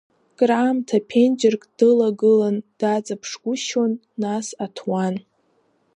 Краамҭа ԥенџьырк дылагылан, даҵаԥшгәышьон нас аҭуан.